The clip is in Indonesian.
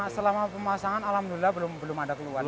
selama pemasangan alhamdulillah belum ada keluhan